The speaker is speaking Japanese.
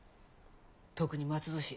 特に松戸氏。